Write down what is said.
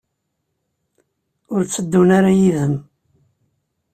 Ur tteddun ara yid-m?